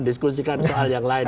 diskusikan soal yang lain